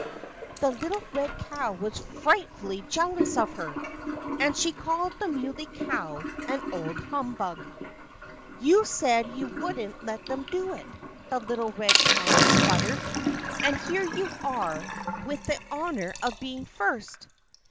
The little red cow was frightfully jealous of her. And she called the Muley Cow "an old humbug." "You said you wouldn't let them do it," the little red cow spluttered. "And here you are, with the honor of being first!"